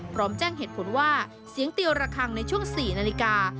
พร้อมแจ้งเหตุผลว่าเสียงเตียวระคังในช่วง๔นาฬิกา